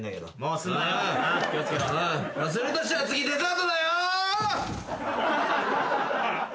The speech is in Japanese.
するとしたら次デザートだよ！